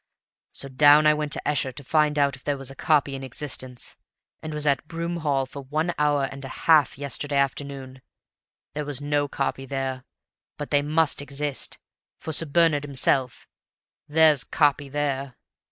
So down I went to Esher to find out if there was a copy in existence, and was at Broom Hall for one hour and a half yesterday afternoon. There was no copy there, but they must exist, for Sir Bernard himself (there's 'copy' THERE!)